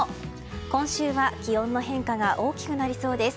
今週は気温の変化が大きくなりそうです。